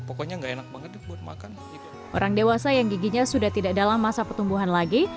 orang dewasa yang giginya sudah tidak dalam masa pertumbuhan lagi